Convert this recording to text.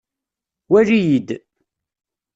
Wali-yi-d.